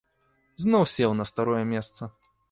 Зноў сеў на старое месца.